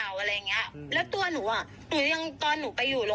แล้วตัวหนูตอนหนูไปอยู่โรงพยาบาล